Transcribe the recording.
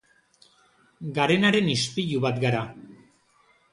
Garenaren ispilu bat gara.